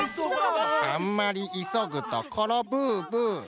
あんまりいそぐところブーブー。